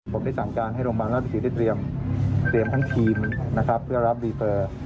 ผมได้สั่งการให้โรงพยาบาลราชศรีได้เตรียมทั้งทีมนะครับเพื่อรับรีเฟอร์